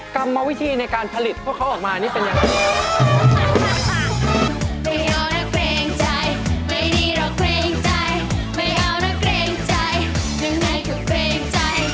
กรรมวิธีในการผลิตพวกเขาออกมานี่เป็นยังไง